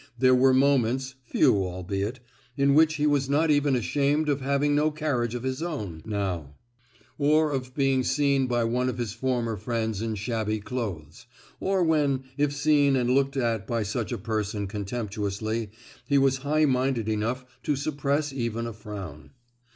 There were moments (few albeit) in which he was not even ashamed of having no carriage of his own, now; or of being seen by one of his former friends in shabby clothes; or when, if seen and looked at by such a person contemptuously, he was high minded enough to suppress even a frown.